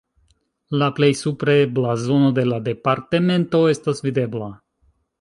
La plej supre blazono de la departemento estas videbla.